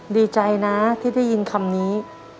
ดีใจนะที่ได้ยินคำนี้